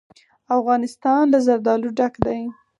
افغانستان له زردالو ډک دی.